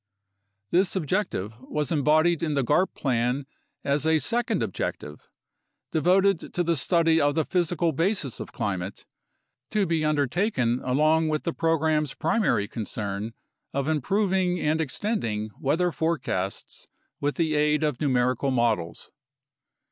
This objective was embodied in the garp plan as a "sec ond objective" devoted to the study of the physical basis of climate, to be undertaken along with the program's primary concern of improving and extending weather forecasts with the aid of numerical models.